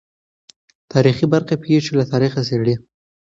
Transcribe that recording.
تاریخي برخه پېښې له تاریخه څېړي.